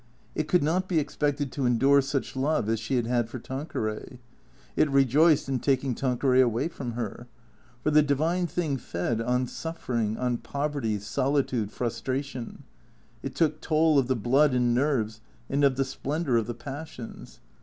It could not be ex pected to endure such love as she had had for Tanqueray. It re joiced in taking Tanqueray away from her. For the divine 116 THE CEEATORS 117 thing fed on suffering, on poverty, solitude, frustration. It took toll of the blood and nerves and of the splendour of the passions.